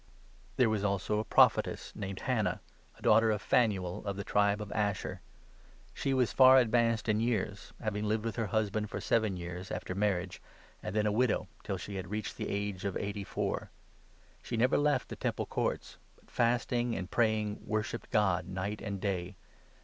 There was also a Prophetess named Hannah, a daughter of 36 Phanuel and of the tribe of Asher. She was far advanced in years, having lived with her husband for seven years after marriage, and then a widow, till she had reached the age of 37 eighty four. She never left the Temple Courts, but, fasting and praying, worshipped God night and day.